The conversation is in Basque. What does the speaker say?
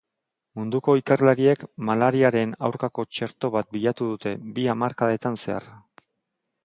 Munduko ikerlariek malariaren aurkako txerto bat bilatu dute bi hamarkadetan zehar.